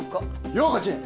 涼子ちん！